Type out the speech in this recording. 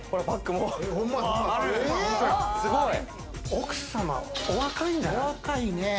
奥様、お若いんじゃない？